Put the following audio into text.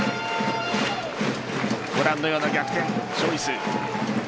ご覧のような逆転勝利数。